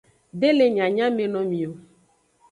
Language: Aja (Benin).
De le nyanyamenomi o.